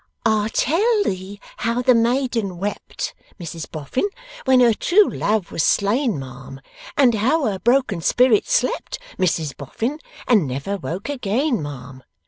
'"I'll tell thee how the maiden wept, Mrs Boffin, When her true love was slain ma'am, And how her broken spirit slept, Mrs Boffin, And never woke again ma'am.